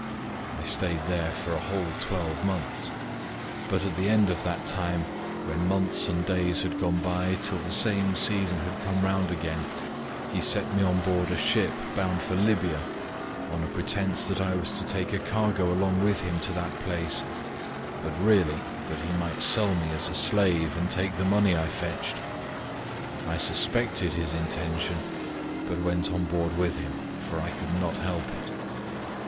I stayed there for a whole twelve months, but at the end of that time when months and days had gone by till the same season had come round again, he set me on board a ship bound for Libya, on a pretence that I was to take a cargo along with him to that place, but really that he might sell me as a slave and take the money I fetched. I suspected his intention, but went on board with him, for I could not help it.